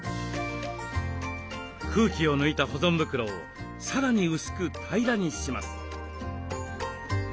空気を抜いた保存袋をさらに薄く平らにします。